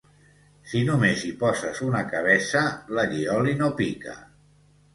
Si només hi poses una cabeça, l'allioli no pica.